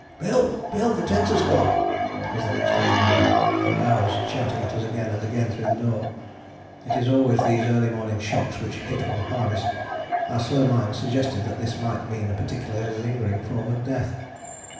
"Bill, Bill, the tent has gone," was the next I remember from Bowers shouting at us again and again through the door. It is always these early morning shocks which hit one hardest: our slow minds suggested that this might mean a peculiarly lingering form of death.